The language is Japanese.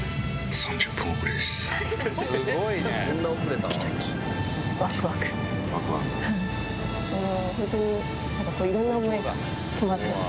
３０分遅れです。